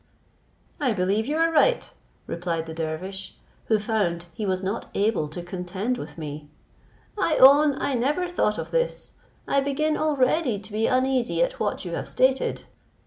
"I believe you are right," replied the dervish, who found he was not able to contend with me;" I own I never thought of this. I begin already to be uneasy at what you have stated.